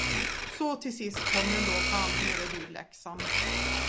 Så till sist kom den då fram nere vid Leksand.